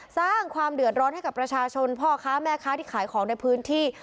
สร้างความเดือดร้อนให้กับประชาชนพ่อค้าแม่ค้าที่ขายของในพื้นที่